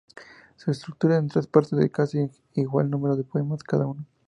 Se estructura en tres partes, de casi igual número de poemas cada una.